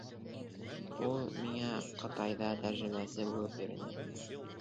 — Ул миңә Ҡытайҙа тәржәмәсе булып йөрөнө.